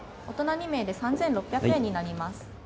大人２名で３，６００円になります。